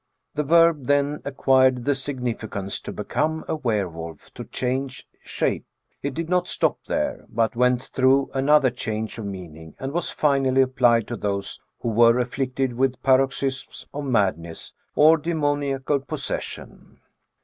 The verb then acquired the significance "to become a were wolf, to change shape." It did not stop there, but went through another change of meaning, a and was finally applied to those who were aflBicted with paroxysms of madness or demoniacal possession.